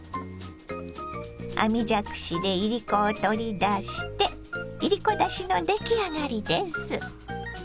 網じゃくしでいりこを取り出していりこだしの出来上がりです。